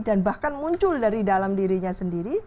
dan bahkan muncul dari dalam dirinya sendiri